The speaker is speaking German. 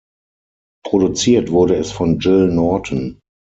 Produziert wurde es von Gil Norton.